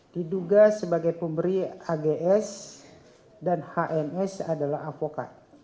diduga sebagai pemberi ags dan hns adalah avokat